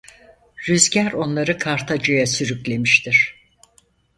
Rüzgâr onları Kartaca'ya sürüklemiştir.